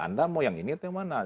anda mau yang ini atau yang mana